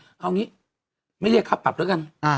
เอางี้ไม่เรียกค่าปรับแล้วกัน